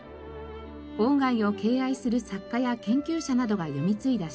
外を敬愛する作家や研究者などが読み継いだ